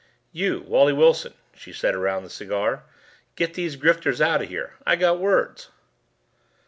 "You, Wally Wilson," she said around the cigar, "get these grifters out of here. I got words."